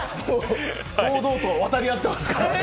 堂々と渡り合ってますからね。